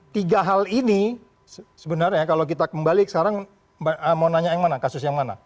tiga hal ini sebenarnya kalau kita kembali sekarang mau nanya yang mana kasus yang mana